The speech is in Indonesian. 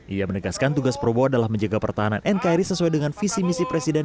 ia menegaskan tugas prabowo adalah menjaga pertahanan nkri sesuai dengan visi misi presiden